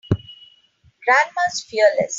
Grandma is fearless.